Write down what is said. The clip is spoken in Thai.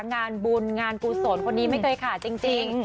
งานบุญงานกุศลคนนี้ไม่เคยขาดจริง